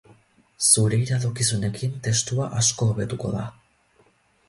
Zure iradokizunekin testua asko hobetuko da.